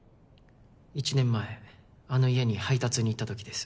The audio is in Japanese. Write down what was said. １年前あの家に配達に行ったときです。